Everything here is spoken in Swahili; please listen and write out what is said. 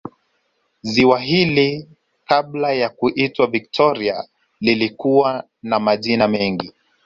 Ziwa hili kabla ya kuitwa Victoria lilikuwa na majina mengi